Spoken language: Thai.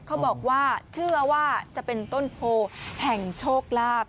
เขาบอกว่าเชื่อว่าจะเป็นต้นโพแห่งโชคลาภ